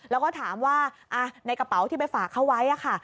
แล้วก็ถามว่าในกระเป๋าที่ไปฝากเขาไว้ค่ะ